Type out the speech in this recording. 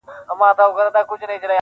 زه به درسمه په لپه منګی ورو ورو ډکومه-